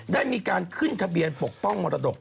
ได้มีการขึ้นทะเบียนปกป้องมรดก